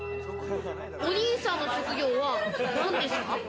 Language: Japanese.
お兄さんの職業は何ですか？